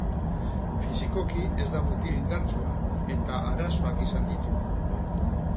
Fisikoki ez da mutil indartsua eta arazoak izan ditu.